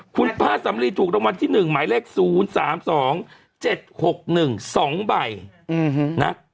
คุณป้าสำลีถูกรางวัลที่๑หมายเลข๐๓๒๗๖๑๒ใบนะ